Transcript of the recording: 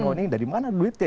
oh ini dari mana duitnya